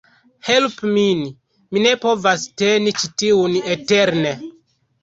Helpu min! Mi ne povas teni ĉi tiun eterne